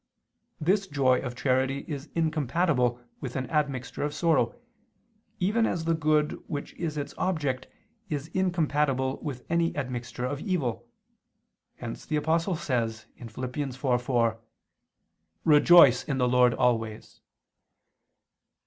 This joy of charity is incompatible with an admixture of sorrow, even as the good which is its object is incompatible with any admixture of evil: hence the Apostle says (Phil. 4:4): "Rejoice in the Lord always."